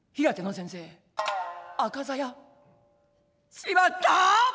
しまった！